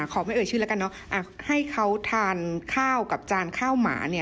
ขอไม่เอ่ยชื่อแล้วกันเนอะให้เขาทานข้าวกับจานข้าวหมาเนี่ย